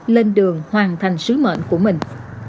lên đường hoàn thành sứ mệnh của mình